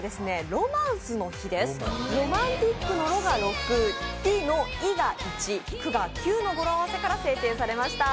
ロマンティックの「ロ」が「６」「ティ」の「ィ」が「１」、「ク」が「９」の語呂合わせから制定されました。